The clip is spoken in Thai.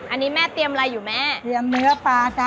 อันนี้แม่เตรียมอะไรอยู่แม่เตรียมเนื้อปลาจ้ะ